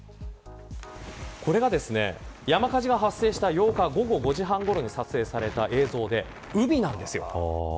これが、山火事が発生した８日、午後５時半ごろに撮影された映像で海なんですよ。